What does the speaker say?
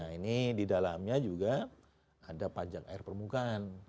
nah ini di dalamnya juga ada pajak air permukaan